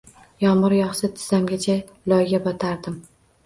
Yomg’ir yog’sa, tizzamgacha loyga botardim.